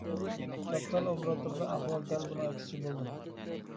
كاپىتال ئوبوروتىدا، ئەھۋال دەل بۇنىڭ ئەكسىچە بولىدۇ.